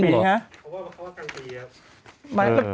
เพราะว่าเขาว่ากลางปีอ่ะ